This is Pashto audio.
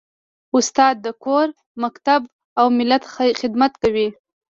استاد د کور، مکتب او ملت خدمت کوي.